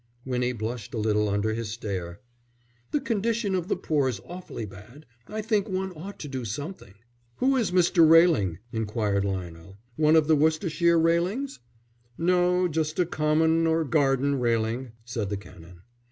Winnie blushed a little under his stare. "The condition of the poor is awfully bad. I think one ought to do something." "Who is Mr. Railing?" inquired Lionel. "One of the Worcestershire Railings?" "No, just a common or garden Railing," said the Canon.